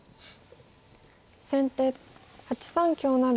先手８三香成。